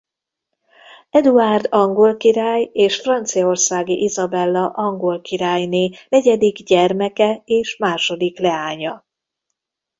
Eduárd angol király és Franciaországi Izabella angol királyné negyedik gyermeke és második leánya.